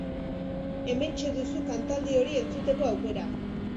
Hementxe duzu kantaldi hori entzuteko aukera.